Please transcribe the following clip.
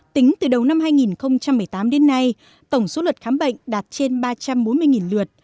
tính từ đầu năm hai nghìn một mươi tám đến nay tổng số lượt khám bệnh đạt trên ba trăm bốn mươi lượt